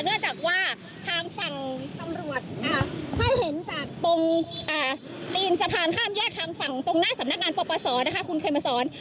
เนื่องจากว่าทางฝั่งตำรวจถ้าเห็นจากตรงตีนสะพานข้ามแยกทางฝั่งตรงหน้าสำนักงานปปศนะคะคุณเขมสอน